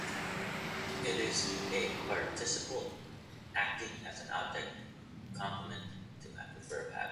It is a participle acting as an object complement to the verb "have".